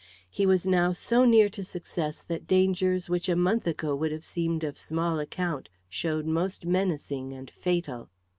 He was now so near to success that dangers which a month ago would have seemed of small account showed most menacing and fatal.